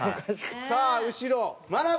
さあ後ろまなぶ。